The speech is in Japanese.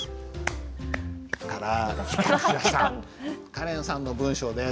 カレンさんの文章です。